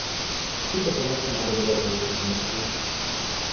Ti po pomoci nadobro odejdou z Moskvy.